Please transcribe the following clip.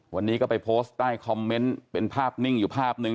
วันนี้ก็ไปโพสต์ใต้คอมเมนต์เป็นภาพนิ่งอยู่ภาพหนึ่ง